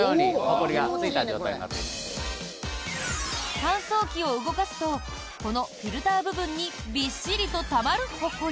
乾燥機を動かすとこのフィルター部分にびっしりとたまるほこり。